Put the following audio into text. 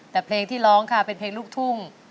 แต่เพลงที่ร้องค่ะเป็นเพลงลูกทุ่ง